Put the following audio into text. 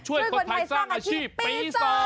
ช่วยคนไทยสร้างอาชีพปี๒